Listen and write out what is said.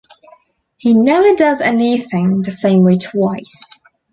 He never does anything the same way twice.